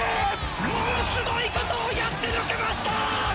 ものすごいことをやってのけました！